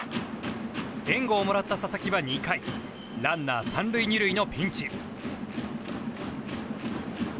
援護をもらった佐々木は２回ランナー３塁２塁のピンチ。